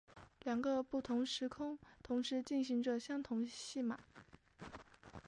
两个不同的时空同时进行着相同的戏码。